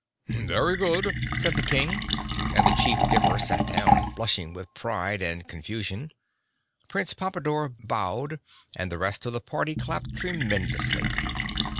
"Very good," said the King, and the Chief Dipper sat down, blushing with pride and confusion. Prince Pompadore bowed and the rest of the party clapped tremendously.